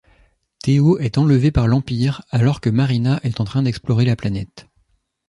Theo est enlevé par l'Empire alors que Marina est en train d'explorer la planète.